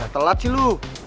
telat sih lu